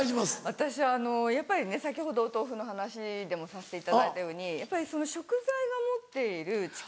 私やっぱりね先ほどお豆腐の話でもさせていただいたようにやっぱり食材が持っている力。